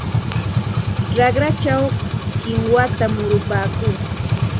Raqrachaw kinwata murupaakuu.